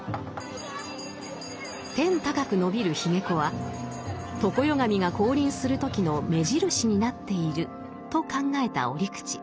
「天高く伸びる髯籠は常世神が降臨する時の目印になっている」と考えた折口。